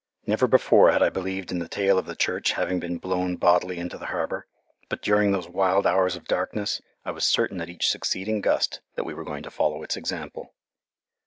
Never before had I believed in the tale of the church having been blown bodily into the harbour; but during those wild hours of darkness I was certain at each succeeding gust that we were going to follow its example.